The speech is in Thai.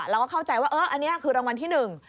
เราก็เข้าใจว่าเอออันนี้คือรางวัลที่หนึ่ง